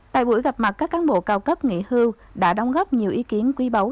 tại buổi gặp mặt các cán bộ cao cấp nghỉ hưu đã đồng góp nhiều ý kiến